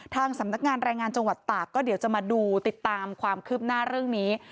ทางสำนักงานรายงานจังหวัดตากก็เดี๋ยวจะมาดูติดตามความคืบหน้าเรื่องนี้